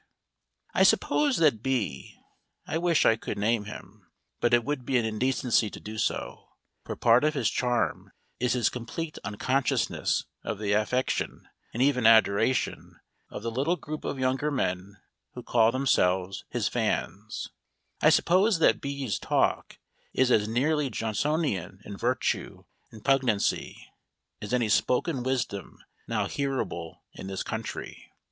I suppose that B , I wish I could name him, but it would be an indecency to do so, for part of his charm is his complete unconsciousness of the affection, and even adoration, of the little group of younger men who call themselves his "fans" I suppose that B 's talk is as nearly Johnsonian in virtue and pungency as any spoken wisdom now hearable in this country.